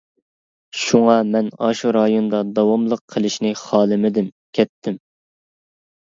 شۇڭا، مەن ئاشۇ رايوندا داۋاملىق قېلىشنى خالىمىدىم، كەتتىم.